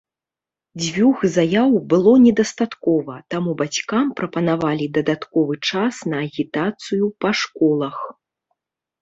Дзвюх заяў было недастаткова, таму бацькам прапанавалі дадатковы час на агітацыю па школах.